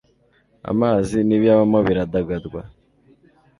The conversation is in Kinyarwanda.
amazi n'ibiyabamo biradagadwa